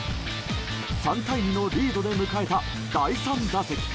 ３対２のリードで迎えた第３打席。